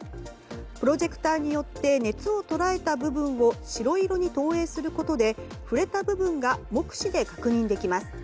プロジェクターによって熱を捉えた部分を白色に投影することで触れた部分が目視で確認できます。